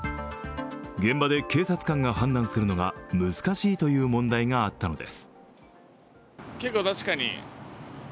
現場で警察官が判断するのが難しいという問題があったのです。